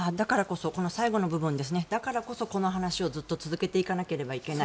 最後の部分ですねだからこそこの話をずっと続けていかなければいけない